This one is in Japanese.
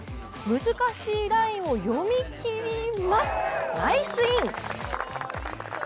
難しいラインを読み切ります、ナイスイン！